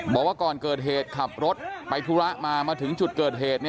บอกว่าก่อนเกิดเหตุขับรถไปธุระมามาถึงจุดเกิดเหตุ